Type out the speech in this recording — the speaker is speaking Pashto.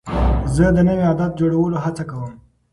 زه د نوي عادت جوړولو هڅه کوم.